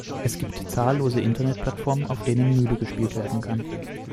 Es gibt zahllose Internet-Plattformen, auf denen Mühle gespielt werden kann.